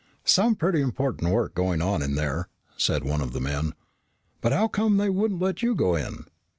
"Some pretty important work going on in there," said one of the men. "But how come they wouldn't let you go in?"